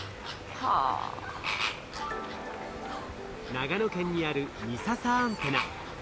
長野県にある美笹アンテナ。